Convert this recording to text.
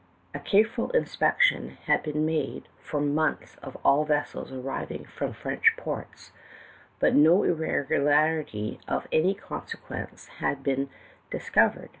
"A careful inspection had been made for months of all vessels arriving from French ports, but no irregularity of any consequence had been dis covered.